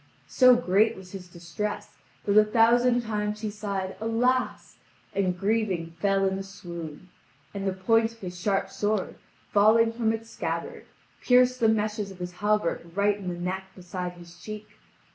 So great was his distress that a thousand times he sighed "alas!" and grieving fell in a swoon; and the point of his sharp sword, falling from its scabbard, pierced the meshes of his hauberk right in the neck beside the cheek.